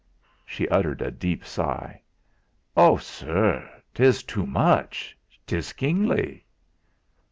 She uttered a deep sigh. "Oh! sirr, 'tis too much; 'tis kingly."